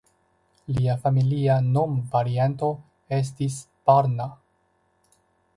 Lia familia nomvarianto estis "Barna".